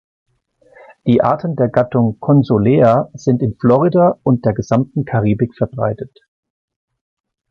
Die Arten der Gattung "Consolea" sind in Florida und der gesamten Karibik verbreitet.